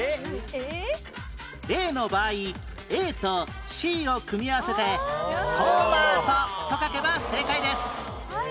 Ａ の場合 Ａ と Ｃ を組み合わせて「トマト」と書けば正解です